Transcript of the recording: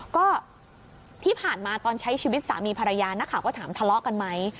ก็ที่ผ่านมาตอนใช้ชีวิตสามีภรรยานักข่าวก็ถามทะเลาะกันไหม